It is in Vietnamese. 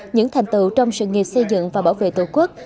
những thành tựu trong sự nghiệp xây dựng và bảo vệ tổ quốc